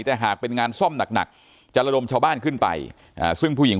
แต่หากเป็นงานซ่อมหนักจะระดมชาวบ้านขึ้นไปซึ่งผู้หญิง